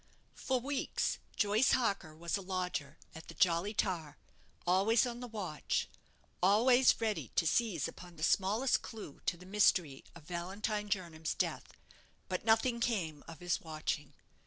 For weeks Joyce Harker was a lodger at the 'Jolly Tar'; always on the watch; always ready to seize upon the smallest clue to the mystery of Valentine Jernam's death; but nothing came of his watching.